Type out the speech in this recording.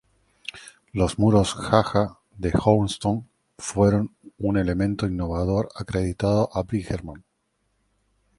Los muros ha-ha de Houghton fueron un elemento innovador acreditado a Bridgeman.